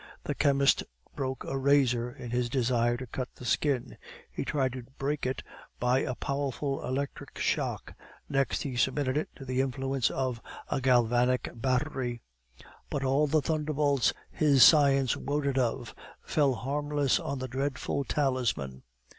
The chemist broke a razor in his desire to cut the skin; he tried to break it by a powerful electric shock; next he submitted it to the influence of a galvanic battery; but all the thunderbolts his science wotted of fell harmless on the dreadful talisman.